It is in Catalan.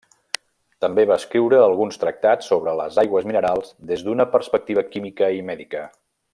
També va escriure alguns tractats sobre les aigües minerals des d'una perspectiva química i mèdica.